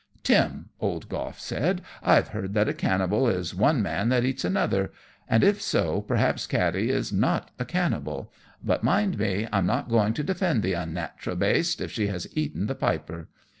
"Tim," old Goff said, "I've heard that a cannibal is one man that eats another, and if so, perhaps Katty is not a cannibal; but, mind me, I'm not going to defend the unnatural baste if she has eaten the Piper.